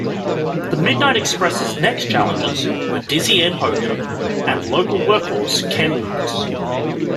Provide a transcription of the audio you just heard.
The Midnight Express's next challengers were "Dizzy Ed" Hogan and local workhorse Ken Lucas.